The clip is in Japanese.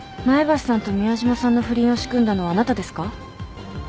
前橋さんと宮島さんの不倫を仕組んだのはあなたですか？